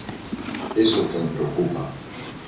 És el que em preocupa.